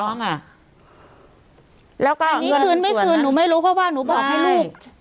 น้องอ่ะแล้วก็อันนี้คืนไม่คืนหนูไม่รู้เพราะว่าหนูบอกให้ลูก